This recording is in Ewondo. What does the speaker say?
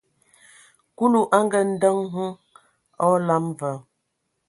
Kulu a ngaandǝŋ hm a olam va,